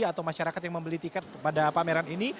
atau masyarakat yang membeli tiket pada pameran ini